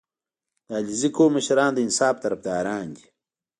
• د علیزي قوم مشران د انصاف طرفداران دي.